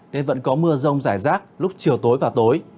nên vẫn có mưa rông rải rác lúc chiều tối và tối